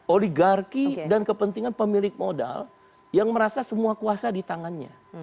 oligarki dan kepentingan pemilik modal yang merasa semua kuasa di tangannya